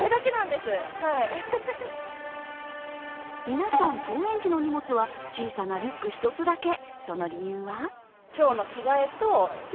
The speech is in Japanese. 皆さん、登園時の荷物は小さなリュック１つだけ。